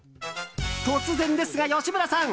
突然ですが、吉村さん。